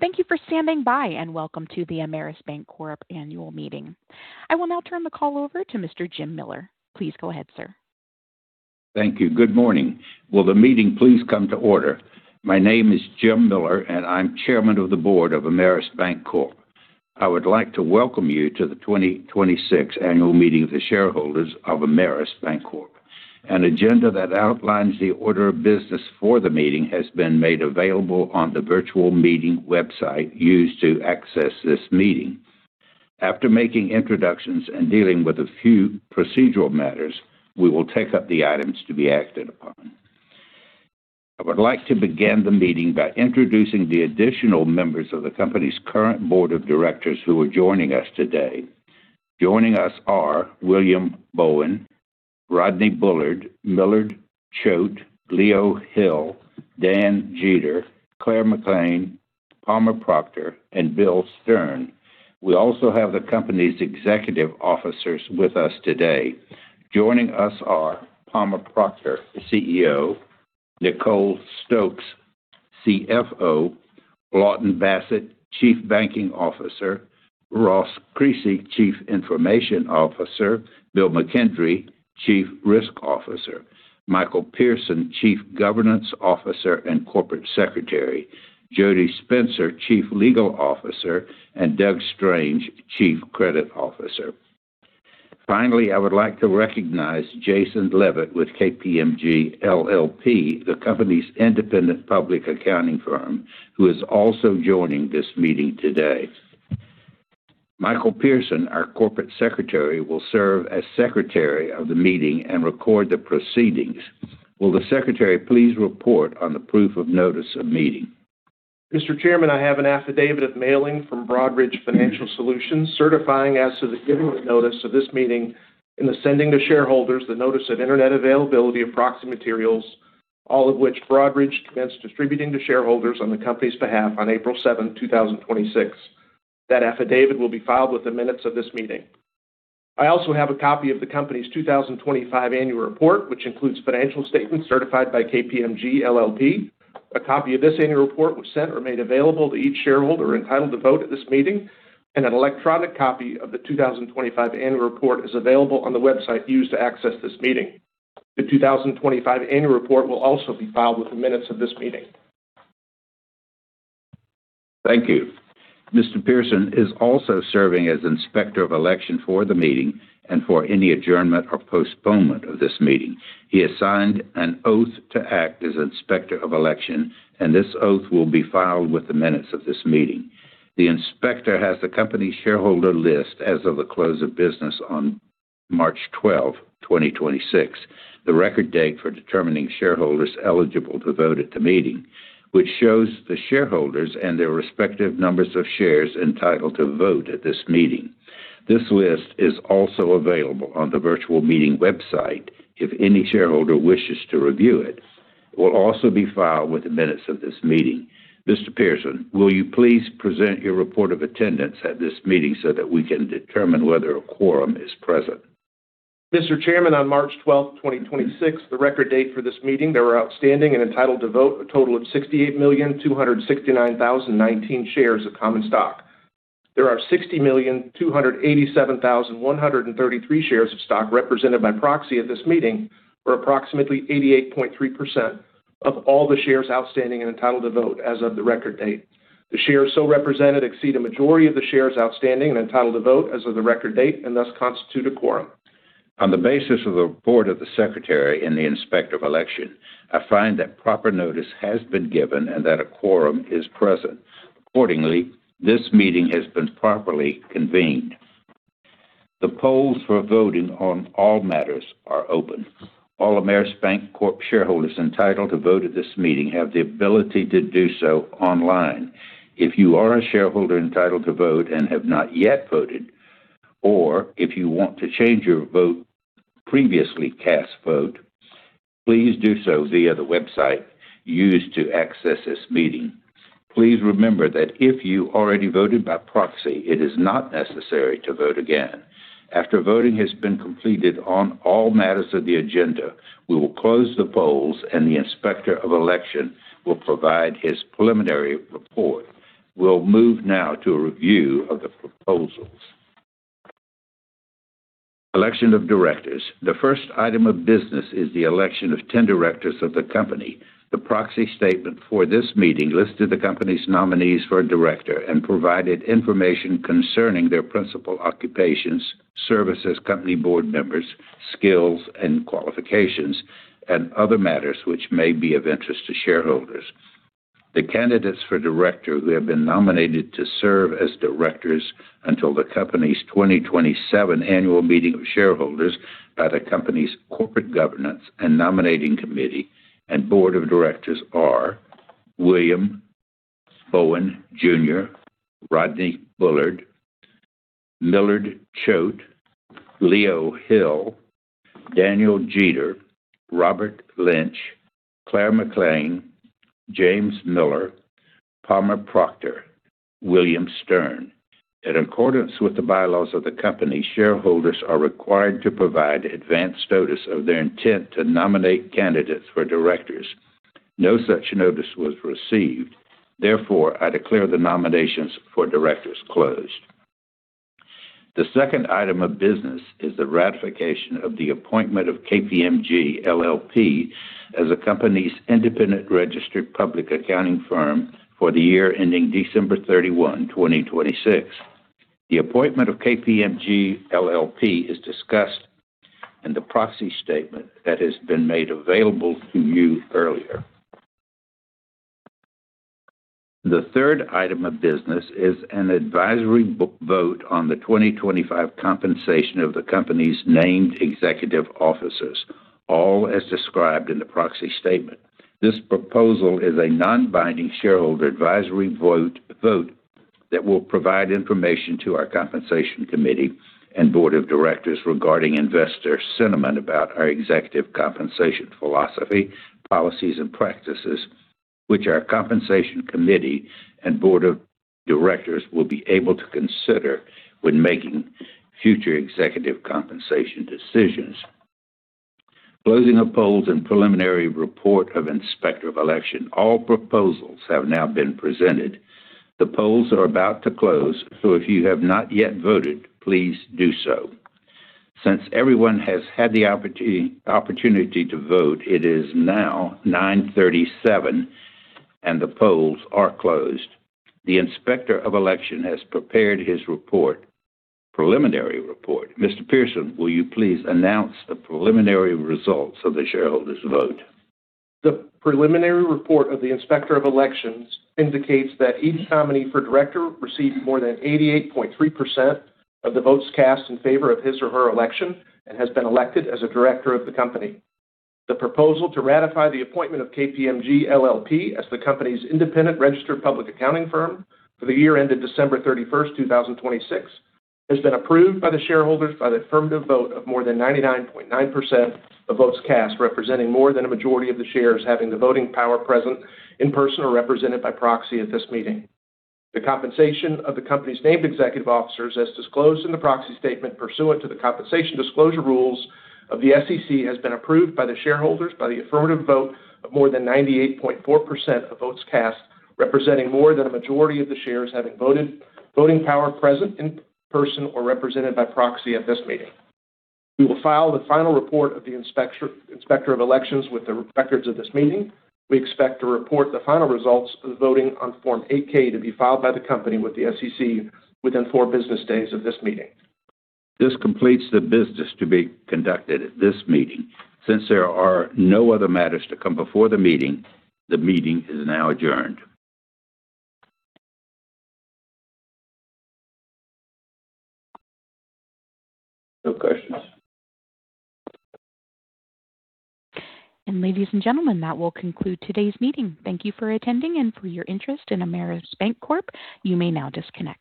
Thank you for standing by, and welcome to the Ameris Bancorp annual meeting. I will now turn the call over to Mr. Jim Miller. Please go ahead, sir. Thank you. Good morning. Will the meeting please come to order? My name is Jim Miller, and I'm Chairman of the Board of Ameris Bancorp. I would like to welcome you to the 2026 annual meeting of the shareholders of Ameris Bancorp. An agenda that outlines the order of business for the meeting has been made available on the virtual meeting website used to access this meeting. After making introductions and dealing with a few procedural matters, we will take up the items to be acted upon. I would like to begin the meeting by introducing the additional members of the company's current Board of Directors who are joining us today. Joining us are William Bowen, Rodney Bullard, Millard Choate, Leo Hill, Dan Jeter, Claire McLean, Palmer Proctor, and Bill Stern. We also have the company's executive officers with us today. Joining us are Palmer Proctor, the CEO, Nicole Stokes, CFO, Lawton Bassett, Chief Banking Officer, Ross Creasy, Chief Information Officer, Bill McKendry, Chief Risk Officer, Michael Pierson, Chief Governance Officer and Corporate Secretary, Jody Spencer, Chief Legal Officer, and Doug Strange, Chief Credit Officer. Finally, I would like to recognize Jason Levitt with KPMG LLP, the company's independent public accounting firm, who is also joining this meeting today. Michael Pierson, our Corporate Secretary, will serve as secretary of the meeting and record the proceedings. Will the secretary please report on the proof of notice of meeting? Mr. Chairman, I have an affidavit of mailing from Broadridge Financial Solutions certifying as to the giving of notice of this meeting in the sending to shareholders the notice of Internet availability of proxy materials, all of which Broadridge commenced distributing to shareholders on the company's behalf on April 7, 2026. That affidavit will be filed with the minutes of this meeting. I also have a copy of the company's 2025 annual report, which includes financial statements certified by KPMG LLP. A copy of this annual report was sent or made available to each shareholder entitled to vote at this meeting, and an electronic copy of the 2025 annual report is available on the website used to access this meeting. The 2025 annual report will also be filed with the minutes of this meeting. Thank you. Mr. Pierson is also serving as Inspector of Election for the meeting and for any adjournment or postponement of this meeting. He has signed an oath to act as Inspector of Election, and this oath will be filed with the minutes of this meeting. The inspector has the company shareholder list as of the close of business on March 12, 2026, the record date for determining shareholders eligible to vote at the meeting, which shows the shareholders and their respective numbers of shares entitled to vote at this meeting. This list is also available on the virtual meeting website if any shareholder wishes to review it. It will also be filed with the minutes of this meeting. Mr. Pierson, will you please present your report of attendance at this meeting so that we can determine whether a quorum is present? Mr. Chairman, on March 12th, 2026, the record date for this meeting, there were outstanding and entitled to vote a total of 68,269,019 shares of common stock. There are 60,287,133 shares of stock represented by proxy at this meeting, or approximately 88.3% of all the shares outstanding and entitled to vote as of the record date. The shares so represented exceed a majority of the shares outstanding and entitled to vote as of the record date and thus constitute a quorum. On the basis of the report of the secretary and the Inspector of Election, I find that proper notice has been given and that a quorum is present. Accordingly, this meeting has been properly convened. The polls for voting on all matters are open. All Ameris Bancorp shareholders entitled to vote at this meeting have the ability to do so online. If you are a shareholder entitled to vote and have not yet voted, or if you want to change your previously cast vote, please do so via the website used to access this meeting. Please remember that if you already voted by proxy, it is not necessary to vote again. After voting has been completed on all matters of the agenda, we will close the polls, and the Inspector of Election will provide his preliminary report. We'll move now to a review of the proposals. Election of directors. The first item of business is the election of 10 directors of the company. The proxy statement for this meeting listed the company's nominees for director and provided information concerning their principal occupations, service as company board members, skills and qualifications, and other matters which may be of interest to shareholders. The candidates for director who have been nominated to serve as directors until the company's 2027 annual meeting of shareholders by the company's Corporate Governance and Nominating Committee and Board of Directors are William Bowen Jr., Rodney Bullard, Millard Choate, Leo Hill, Daniel Jeter, Robert Lynch, Claire McLean, James Miller, Palmer Proctor, William Stern. In accordance with the bylaws of the company, shareholders are required to provide advance notice of their intent to nominate candidates for directors. No such notice was received. Therefore, I declare the nominations for directors closed. The second item of business is the ratification of the appointment of KPMG LLP as the company's independent registered public accounting firm for the year ending December 31, 2026. The appointment of KPMG LLP is discussed in the proxy statement that has been made available to you earlier. The third item of business is an advisory vote on the 2025 compensation of the company's named executive officers, all as described in the proxy statement. This proposal is a non-binding shareholder advisory vote that will provide information to our Compensation Committee and Board of Directors regarding investor sentiment about our executive compensation philosophy, policies, and practices, which our Compensation Committee and Board of Directors will be able to consider when making future executive compensation decisions. Closing of polls and preliminary report of Inspector of Election. All proposals have now been presented. The polls are about to close, so if you have not yet voted, please do so. Since everyone has had the opportunity to vote, it is now 9:37 A.M., and the polls are closed. The Inspector of Election has prepared his preliminary report. Mr. Pierson, will you please announce the preliminary results of the shareholders' vote? The preliminary report of the Inspector of Election indicates that each nominee for director received more than 88.3% of the votes cast in favor of his or her election and has been elected as a director of the company. The proposal to ratify the appointment of KPMG LLP as the company's independent registered public accounting firm for the year ended December 31st, 2026, has been approved by the shareholders by the affirmative vote of more than 99.9% of votes cast, representing more than a majority of the shares having the voting power present in person or represented by proxy at this meeting. The compensation of the company's named executive officers, as disclosed in the proxy statement pursuant to the compensation disclosure rules of the SEC, has been approved by the shareholders by the affirmative vote of more than 98.4% of votes cast, representing more than a majority of the shares having voting power present in person or represented by proxy at this meeting. We will file the final report of the Inspector of Elections with the records of this meeting. We expect to report the final results of the voting on Form 8-K to be filed by the company with the SEC within four business days of this meeting. This completes the business to be conducted at this meeting. Since there are no other matters to come before the meeting, the meeting is now adjourned. No questions. Ladies and gentlemen, that will conclude today's meeting. Thank you for attending and for your interest in Ameris Bancorp. You may now disconnect.